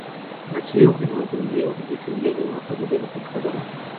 Nació en Montevideo y descendía de una familia de pescadores.